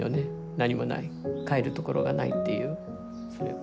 何もない帰るところがないっていう。